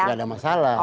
nggak ada masalah